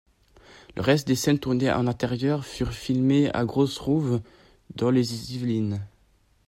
Le reste des scènes tournées en intérieur furent filmée à Grosrouvre dans les Yvelines.